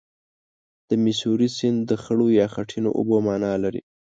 د میسوری سیند د خړو یا خټینو اوبو معنا لري.